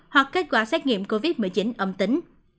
hoặc kết quả xét nghiệm covid một mươi chín âm tính